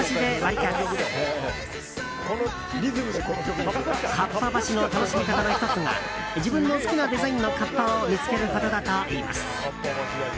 合羽橋の楽しみ方の１つが自分の好きなデザインのカッパを見つけることだといいます。